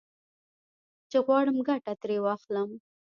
چې غواړم ګټه ترې واخلم.